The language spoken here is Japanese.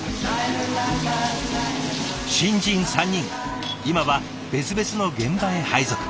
新人３人今は別々の現場へ配属。